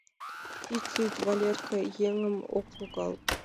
Ит лӱд, Валерка еҥым ок логал.